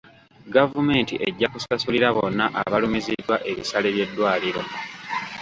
Gavumementi ejja kusasulira bonna abalumiziddwa ebisale by'eddwaliro.